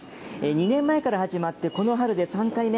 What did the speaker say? ２年前から始まって、この春で３回目。